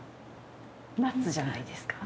ナッツじゃないですか？